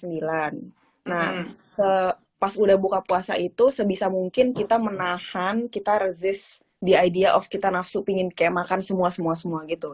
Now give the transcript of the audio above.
nah pas udah buka puasa itu sebisa mungkin kita menahan kita rezist di idea off kita nafsu pingin kayak makan semua semua semua gitu